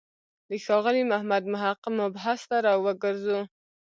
د ښاغلي محمد محق مبحث ته راوګرځو.